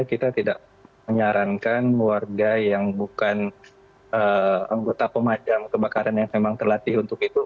kita tidak menyarankan warga yang bukan anggota pemadam kebakaran yang memang terlatih untuk itu